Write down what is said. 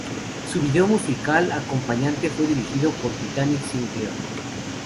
Su vídeo musical acompañante fue dirigido por Titanic Sinclair.